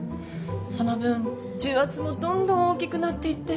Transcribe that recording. その分重圧もどんどん大きくなっていって。